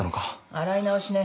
洗い直しね。